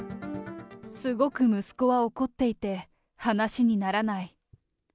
すごく息子は怒っていて、話にならない。